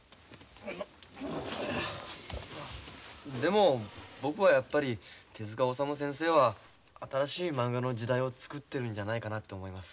でも僕はやっぱり手治虫先生は新しいまんがの時代を作ってるんじゃないかなと思います。